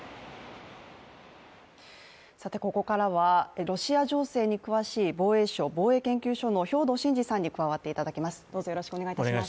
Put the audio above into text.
ここからはロシア情勢に詳しい防衛省防衛研究所の兵頭慎治さんに加わっていただきます。